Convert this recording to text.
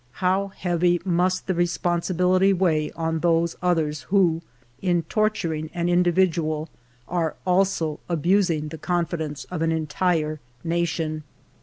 How heavy must the responsibility weigh on those others who, in torturing an individual, are also abusing the confidence of an entire nation